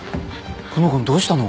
久能君どうしたの？